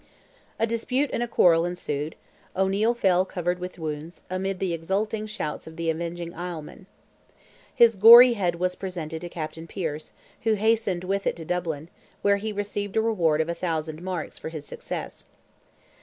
A dispute and a quarrel ensued; O'Neil fell covered with wounds, amid the exulting shouts of the avenging Islesmen. His gory head was presented to Captain Piers, who hastened with it to Dublin, where he received a reward of a thousand marks for his success.